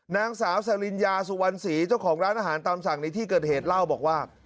นางสาวสริญญาสุวรรณศรีเจ้าของร้านอาหารตามสั่งในที่เกิดเหตุเล่าบอกว่า